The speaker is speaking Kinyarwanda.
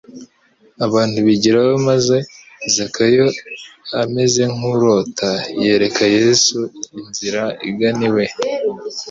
Abantu bigirayo, maze Zakayo ameze nk'urota, yereka Yesu inzira igana iwe.